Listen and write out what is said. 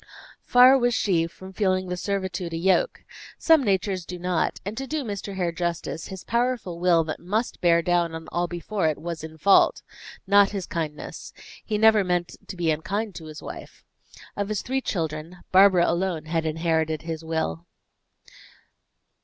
Far was she from feeling the servitude a yoke: some natures do not: and to do Mr. Hare justice, his powerful will that must bear down all before it, was in fault: not his kindness: he never meant to be unkind to his wife. Of his three children, Barbara alone had inherited his will.